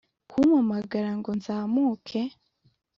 kumpamagara ngo nzamuke